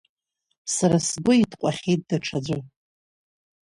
Сара сгәы итҟәахьеит даҽаӡәы.